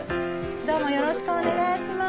よろしくお願いします。